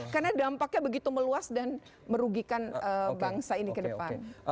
karena dampaknya begitu meluas dan merugikan bangsa ini ke depan